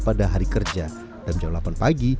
pada hari kerja dan jam delapan pagi